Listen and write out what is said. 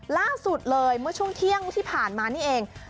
ล่าสุดเลยเมื่อช่วงเที่ยงที่ผ่านมานี่เอง